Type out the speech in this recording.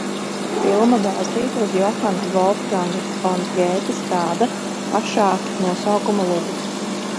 Filma balstīta uz Johana Volfganga fon Gētes tāda pašā nosaukuma lugu.